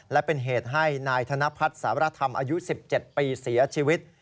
และเป็นเหตุให้นายธนพัฒน์สารธรรมอายุ๑๗ปีเสียชีวิต